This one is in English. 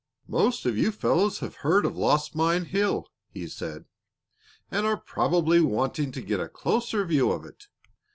"Most of you fellows have heard of Lost Mine Hill," he said, "and are probably wanting to get a closer view of it.